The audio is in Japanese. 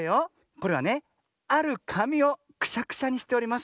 これはねあるかみをクシャクシャにしております。